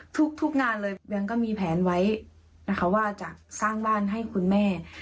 ทุกงานเลยแบงค์ก็มีแผนไว้นะคะว่าจะสร้างบ้านให้คุณแม่